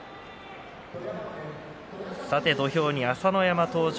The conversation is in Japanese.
さて土俵に朝乃山登場。